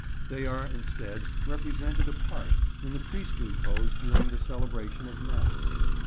They are, instead, represented apart, in the priestly pose during the celebration of mass.